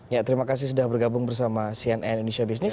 ya terima kasih sudah bergabung bersama cnn indonesia business